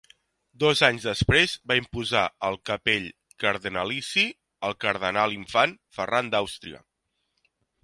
Dos anys després va imposar el capell cardenalici al cardenal-infant Ferran d'Àustria.